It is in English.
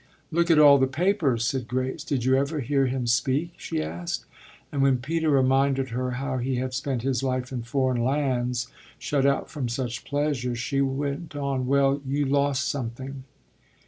"Look at all the papers!" said Grace. "Did you ever hear him speak?" she asked. And when Peter reminded her how he had spent his life in foreign lands, shut out from such pleasures, she went on: "Well, you lost something."